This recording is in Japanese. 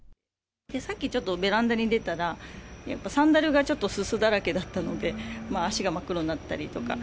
さっきちょっとベランダに出たら、サンダルがちょっとすすだらけだったので、まあ足が真っ黒になっ